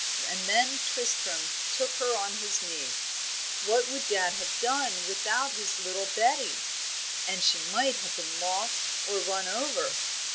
And then Tristram took her on his knee. "What would dad have done without his little Betty? and she might have been lost or run over."